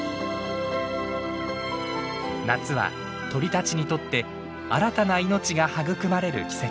夏は鳥たちにとって新たな命が育まれる季節。